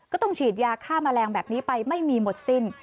ก็ต้องฉีดยาฆ่าแมลงแบบนี้ไปไม่มีหมดสิ้น